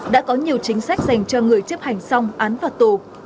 đã có nhiều chính sách dành cho người chấp hành xong án phạt tù